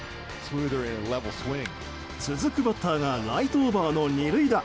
続くバッターがライトオーバーの２塁打。